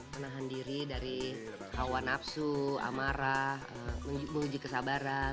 menahan diri dari hawa nafsu amarah menguji kesabaran